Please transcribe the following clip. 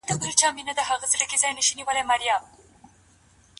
آیا د مسمومیت درملنه د بې وزلو خلکو لپاره وړیا چمتو کیږي؟